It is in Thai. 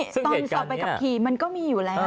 ตอนถ่อไปกับภีรมันก็มีอยู่แล้ว